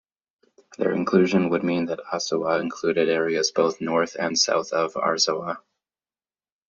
Their inclusion would mean that Assuwa included areas both north and south of Arzawa.